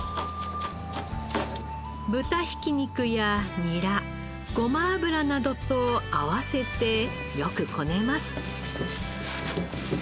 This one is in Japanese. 豚ひき肉やニラゴマ油などと合わせてよくこねます。